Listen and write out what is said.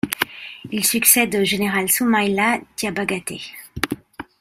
Il succède au général Soumaïla Diabagate.